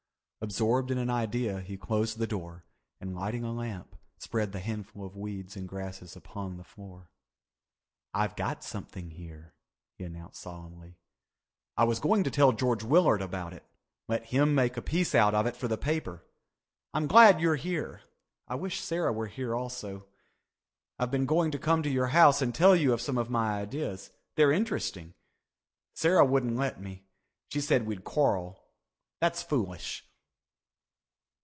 Absorbed in an idea he closed the door and, lighting a lamp, spread the handful of weeds and grasses upon the floor. "I've got something here," he announced solemnly. "I was going to tell George Willard about it, let him make a piece out of it for the paper. I'm glad you're here. I wish Sarah were here also. I've been going to come to your house and tell you of some of my ideas. They're interesting. Sarah wouldn't let me. She said we'd quarrel. That's foolish."